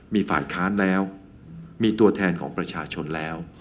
มีฝ่ายค้านแล้วมีตัวแทนของประชาชนแล้ว